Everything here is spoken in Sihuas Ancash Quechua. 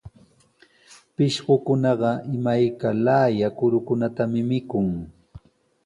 Pishqukunaqa imayka laaya kurukunatami mikun.